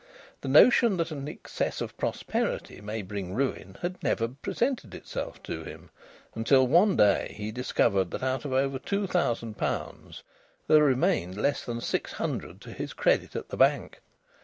The notion that an excess of prosperity may bring ruin had never presented itself to him, until one day he discovered that out of over two thousand pounds there remained less than six hundred to his credit at the bank.